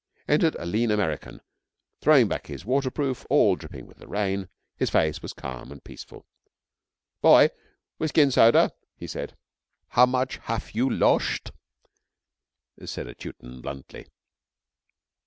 Entered a lean American, throwing back his waterproof all dripping with the rain; his face was calm and peaceful. 'Boy, whisky and soda,' he said. 'How much haf you losd?' said a Teuton bluntly.